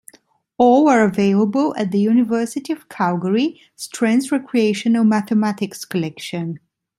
All are available at the University of Calgary, Strens Recreational Mathematics Collection.